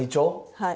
はい。